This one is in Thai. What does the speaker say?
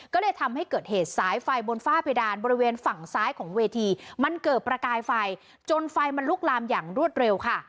ก็เลยทำให้เกิดเหตุสายไฟบนฝ้าเพดานบริเวณฝั่งซ้ายของเวทีมันเกิดประกายไฟจนไฟมันลุกลามอย่างรวดเร็วค่ะ